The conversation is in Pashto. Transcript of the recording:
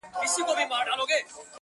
ما چي خیبر ته حماسې لیکلې-